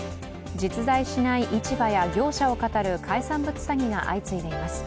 実在しない市場や業者をかたる海産物詐欺が相次いでいます。